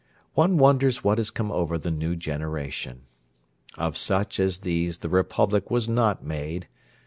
One wonders what has come over the new generation. Of such as these the Republic was not made.